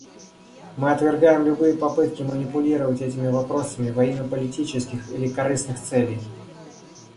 Мы отвергаем любые попытки манипулировать этими вопросами во имя политических или корыстных целей.